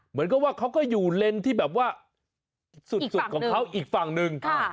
เหมือนกับว่าเขาก็อยู่เลนที่แบบว่าสุดของเขาอีกฝั่งหนึ่ง